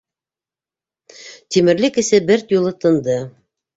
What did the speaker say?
Тимерлек эсе бер юлы тынды.